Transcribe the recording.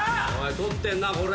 とってんなこれ！